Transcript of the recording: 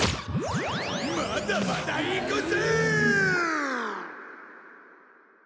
まだまだいくぜー！